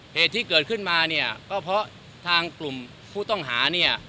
เหตุที่เกิดขึ้นมาเนี่ยก็เพราะทางกลุ่มผู้ต้องหาเนี่ย